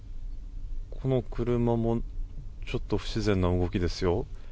この車もちょっと不自然な動きですよ。